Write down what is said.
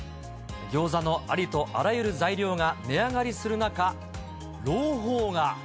ギョーザのありとあらゆる材料が値上がりする中、朗報が。